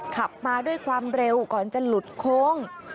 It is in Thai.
ขับมาด้วยความเร็วก่อนจะหลุดโค้ง